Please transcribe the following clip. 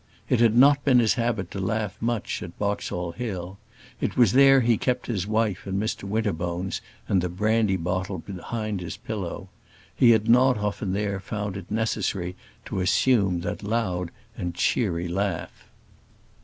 It had not been his habit to laugh much at Boxall Hill. It was there he kept his wife, and Mr Winterbones, and the brandy bottle behind his pillow. He had not often there found it necessary to assume that loud and cheery laugh.